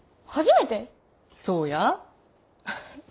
そうや。